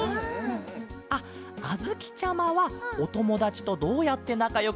あっあづきちゃまはおともだちとどうやってなかよくなったケロ？